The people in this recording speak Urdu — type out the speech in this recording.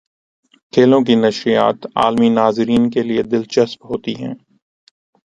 کھیلوں کی نشریات عالمی ناظرین کے لیے دلچسپ ہوتی ہیں۔